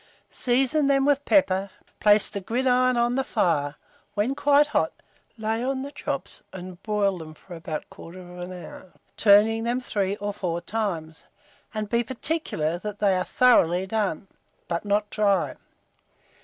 Season them with pepper; place the gridiron on the fire; when quite hot, lay on the chops and broil them for about 1/4 hour, turning them 3 or 4 times; and be particular that they are thoroughly done, but not dry.